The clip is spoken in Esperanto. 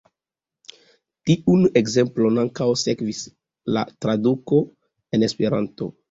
Tiun ekzemplon ankaŭ sekvis la traduko en esperanto.